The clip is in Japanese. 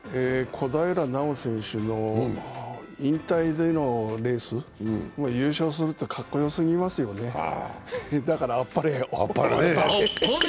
小平奈緒選手の引退でのレース、優勝するってかっこよすぎますよね、だからあっぱれを。